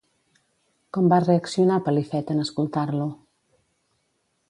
Com va reaccionar Pelifet en escoltar-lo?